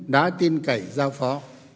văn cảnh giao phó